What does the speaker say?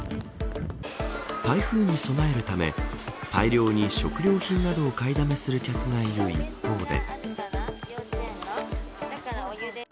台風に備えるため大量に食料品などを買いだめする客がいる一方で。